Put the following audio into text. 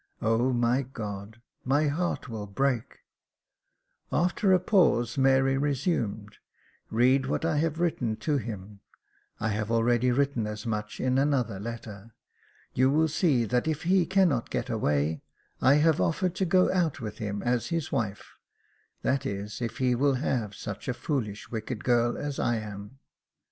O my God ! my heart will break !" After a pause, Mary resumed. " Read what I have written to him — I have already written as much in another letter. You will see that if he cannot get away, I have offered to go out with him as his wife, that is, if he will have such a foolish, wicked girl as I am."